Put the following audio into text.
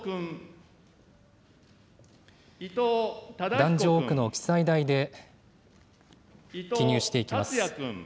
壇上奥の記載台で、記入していきます。